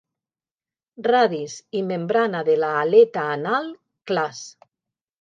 Radis i membrana de l'aleta anal clars.